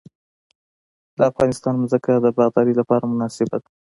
د افغانستان ځمکه د باغدارۍ لپاره مناسبه ده